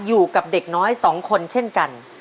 อยู่กับเด็กน้อย๒คนเช่นกัน